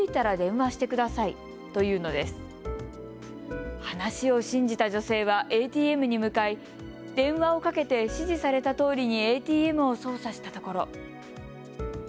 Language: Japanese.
話を信じた女性はＡＴＭに向かい電話をかけて指示されたとおりにＡＴＭを操作したところ。